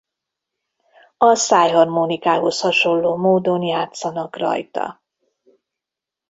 A szájharmonikához hasonló módon játszanak rajta.